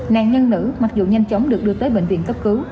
nạn nhân nữ mặc dù nhanh chóng được đưa tới bệnh viện cấp cứu